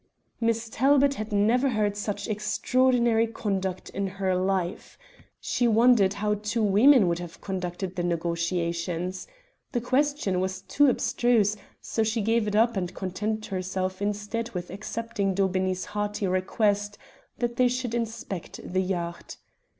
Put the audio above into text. Miss Talbot had never heard such extraordinary conduct in her life. She wondered how two women would have conducted the negotiations. The question was too abstruse, so she gave it up and contented herself instead with accepting Daubeney's hearty request that they should inspect the yacht.